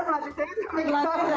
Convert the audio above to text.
tuh kan pelatih saya sama ketawa juga